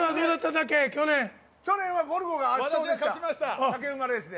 去年はゴルゴが勝ちました竹馬レースで。